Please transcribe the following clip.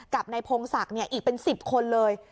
กับนายพงศักดิ์อีกเป็น๑๐คนเลย